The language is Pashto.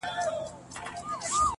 o سیاه پوسي ده، مرگ خو یې زوی دی.